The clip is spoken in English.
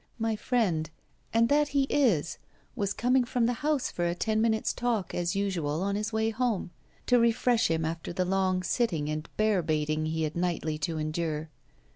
My friend and that he is! was coming from the House for a ten minutes' talk, as usual, on his way home, to refresh him after the long sitting and bear baiting he had nightly to endure.